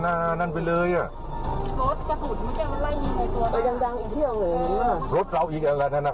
นี่อ่ะนะนั้นไปเลยอ่ะรถกระสุนมั้วยังไว้ไล่ยิงได้ตัว